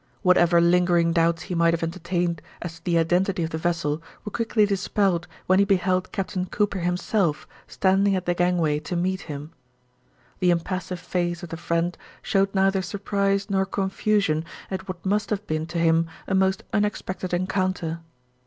Whatever lingering doubts he might have entertained as to the identity of the vessel were quickly dispelled when he beheld Captain Cooper himself standing at the gangway to meet him. The impassive face of the friend showed neither surprise nor confusion at what must have been to him a most unexpected encounter.